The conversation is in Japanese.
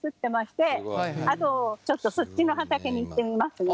ちょっとそっちの畑に行ってみますね。